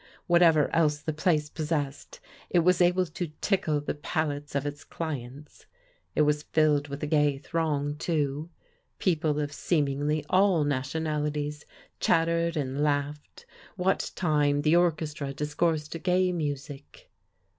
Whatever else the place possessed, it was able to tickle the palates of its clients. It was filled with a gay throng, too. People of seemingly all nationalities chattered and laughed, what time the orchestra discoursed gay music.